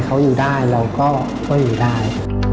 เขาอยู่ได้เราก็อยู่ได้